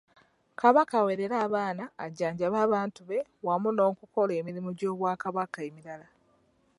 Kabaka awerere abaana, ajjanjabe abantu be wamu n'okukola emirimu gy'Obwakabaka emirala